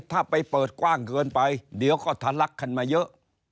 ถ้าไปเปิดกว้างเกินไปเดี๋ยวก็ทะลักกันมาเยอะ